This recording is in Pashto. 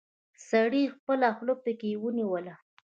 سړي خپله خوله پکې ونيوله.